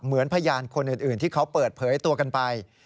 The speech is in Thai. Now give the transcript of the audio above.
ในที่นั่งลำบากเหมือนพยานคนอื่นที่เขาเปิดเผยตัวกันไป